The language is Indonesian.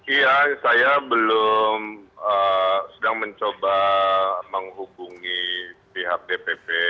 iya saya belum sedang mencoba menghubungi pihak dpp